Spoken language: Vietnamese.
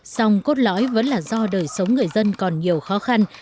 song cốt lõi vẫn là do đời sống người dân còn nhiều khó khăn